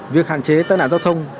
việc hạn chế tai nạn giao thông